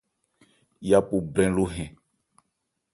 Yapo brɛn lo hɛn.